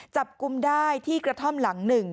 จับกลุ่มได้ที่กระท่อมหลังหนึ่ง